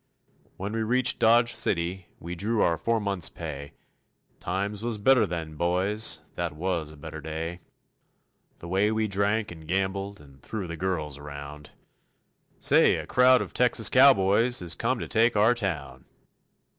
When we reached Dodge City we drew our four months' pay. Times was better then, boys, that was a better day. The way we drank and gambled and threw the girls around, "Say, a crowd of Texas cowboys has come to take our town."